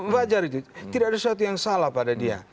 wajar itu tidak ada sesuatu yang salah pada dia